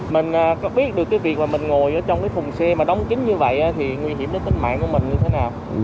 mình có biết được cái việc mà mình ngồi trong cái phùng xe mà đóng kính như vậy thì nguy hiểm đến tính mạng của mình như thế nào